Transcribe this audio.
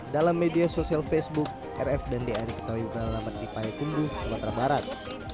dalam media sosial facebook rf dan da diketahui telah lambat dipahit kunduh di sumatera barat